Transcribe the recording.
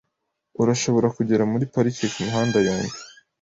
Urashobora kugera muri parike kumihanda yombi .